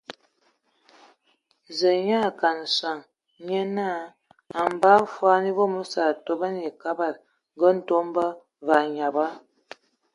Zǝǝ nyaa a kana sɔŋ, nye naa a mbaa fɔɔ e vom osǝ a atoban ai Kabad ngǝ Ntomba, və anyab.